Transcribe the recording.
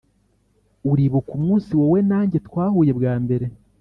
uribuka umunsi wowe na njye twahuye bwa mbere?